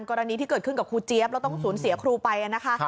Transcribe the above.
กรณีที่เกิดขึ้นกับครูเจี๊ยบแล้วต้องสูญเสียครูไปนะคะ